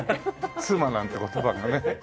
「妻」なんて言葉がね。